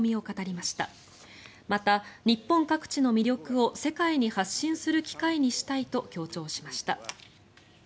また、日本各地の魅力を世界に発信する機会にしたいと強調しました。